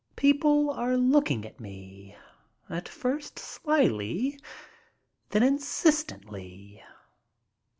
People are looking at me, at first slyly, then insistently.